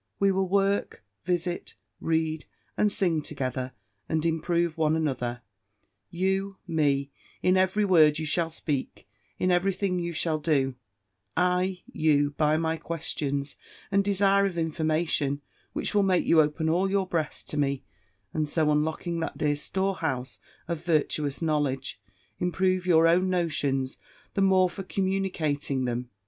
We will work, visit, read, and sing together, and improve one another; you me, in every word you shall speak, in every thing you shall do; I you, by my questions, and desire of information, which will make you open all your breast to me: and so unlocking that dear storehouse of virtuous knowledge, improve your own notions the more for communicating them.